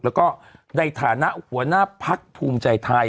แล้วก็ในฐานะหัวหน้าพักภูมิใจไทย